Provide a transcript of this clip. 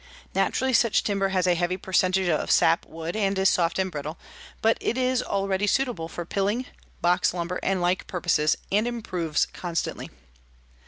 Naturally such timber has a heavy percentage of sapwood and is soft and brittle, but it is already suitable for piling, box lumber and like purposes and improves constantly.